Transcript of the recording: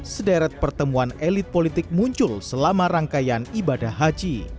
sederet pertemuan elit politik muncul selama rangkaian ibadah haji